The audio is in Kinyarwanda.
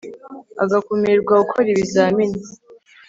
agakumirwa gukora ibizamini